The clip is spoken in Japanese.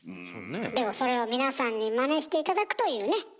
でもそれを皆さんにまねして頂くというね。